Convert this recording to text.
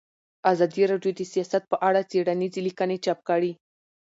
ازادي راډیو د سیاست په اړه څېړنیزې لیکنې چاپ کړي.